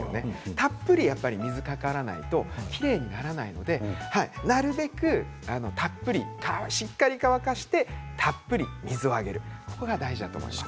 たっぷり水がかからないときれいにはならないのでなるべくたっぷりしっかり乾かせてからたっぷり水をやるこれが大事です。